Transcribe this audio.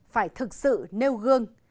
phải thực sự nêu gương